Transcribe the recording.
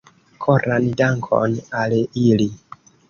Koran dankon al ili.